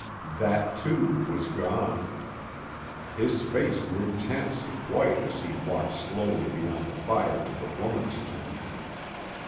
That, too, was gone. His face grew tense and white as he walked slowly beyond the fire to the woman's tent.